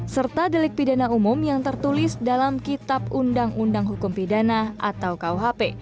serta delik pidana umum yang tertulis dalam kitab undang undang hukum pidana atau kuhp